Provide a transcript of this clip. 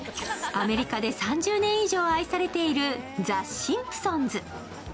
アメリカで３０年以上愛されている「ザ・シンプソンズ」。